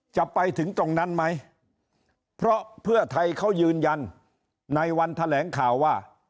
ไปถึงตรงนั้นไหมเพราะเพื่อไทยเขายืนยันในวันแถลงข่าวว่า